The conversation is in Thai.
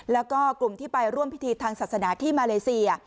แล้วก็กลุ่มที่ไปร่วมพิธีทางศาสนาที่มาเลเซีย